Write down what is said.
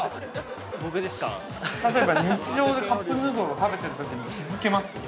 ◆例えば、日常でカップヌードルを食べてるときに気づけます？